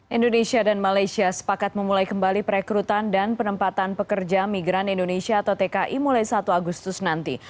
indonesia dan malaysia sepakat memulai kembali perekrutan dan penempatan pekerja migran indonesia atau tki mulai satu agustus nanti